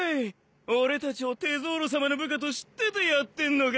俺たちをテゾーロさまの部下と知っててやってんのか？